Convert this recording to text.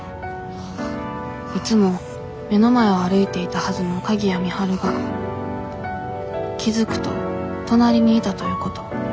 いつも目の前を歩いていたはずの鍵谷美晴が気付くと隣にいたということ。